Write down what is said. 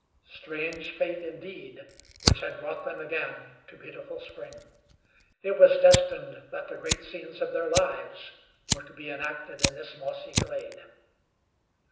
Strange fate, indeed, which had brought them again to Beautiful Spring! It was destined that the great scenes of their lives were to be enacted in this mossy glade.